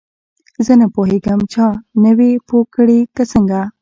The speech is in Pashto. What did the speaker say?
زه نه پوهیږم چا نه وې پوه کړې که څنګه.